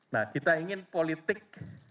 nah kita ingin politik